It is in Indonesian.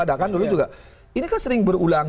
ada kan dulu juga ini kan sering berulang